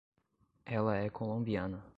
Ela é colombiana